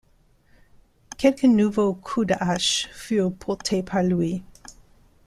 Quelques nouveaux coups de hache furent portés par lui.